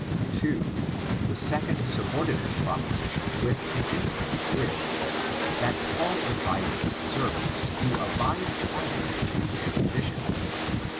! i 2. The second subordinate propasUian with an inference^ ^ Us that Paul advises servants to abide quietly in their condition.